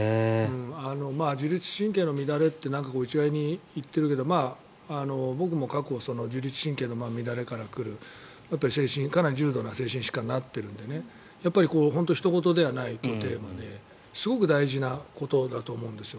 自律神経の乱れって一概に言ってるけど僕も過去自律神経の乱れから来るかなり重度な精神疾患になっているので本当にひと事ではないテーマですごく大事なことだと思うんですよ。